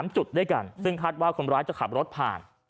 ๓จุดด้วยกันซึ่งคาดว่าคนร้ายจะขับรถผ่าน